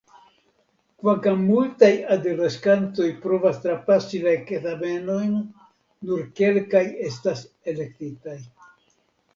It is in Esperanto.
Kvankam multaj adoleskantoj provas trapasi la ekzamenojn nur kelkaj estas elektitaj.